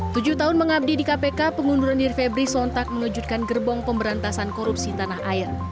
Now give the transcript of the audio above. tujuh tahun mengabdi di kpk pengunduran diri febri sontak mengejutkan gerbong pemberantasan korupsi tanah air